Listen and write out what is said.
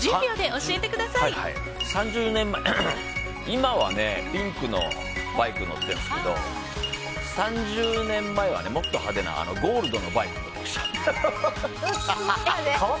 今はね、ピンクのバイクに乗っているんですけど３０年前はもっと派手なゴールドのバイクに乗ってました。